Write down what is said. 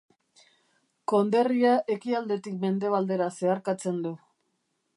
Konderria ekialdetik mendebaldera zeharkatzen du.